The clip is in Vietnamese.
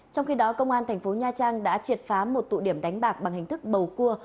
trong khi đó công an thành phố nha trang đã triệt phá một tụ điểm đánh bạc bằng hình thức bầu cua